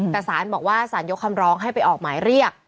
แต่สารบอกว่าสารยกคำร้องให้ไปออกหมายเรียก